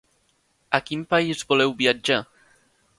A quin país voleu viatjar?